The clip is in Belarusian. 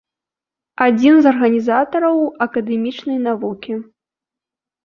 Адзін з арганізатараў акадэмічнай навукі.